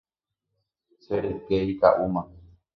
Che ryke ika'úma.